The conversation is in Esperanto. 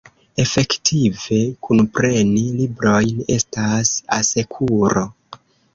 Efektive, kunpreni librojn estas asekuro.